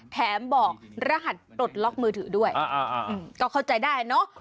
แถมบอกรหัสปลดล็อกมือถือด้วยก็เข้าใจได้เนอะ